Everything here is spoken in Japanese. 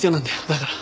だから。